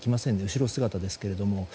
後ろ姿ですけども。